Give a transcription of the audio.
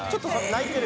泣いてる。